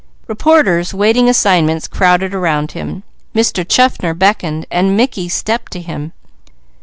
Reporters waiting assignments crowded around him; Mr. Chaffner beckoned, and Mickey stepped to him.